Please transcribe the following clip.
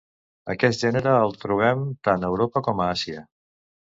Aquest gènere el trobem tant a Europa com a Àsia.